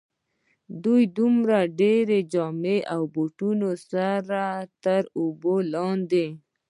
له دومره ډېرو جامو او بوټانو سره تر اوبو لاندې.